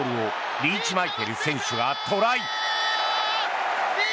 リーチマイケル、トライ。